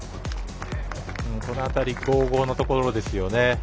この辺り攻防のところですよね。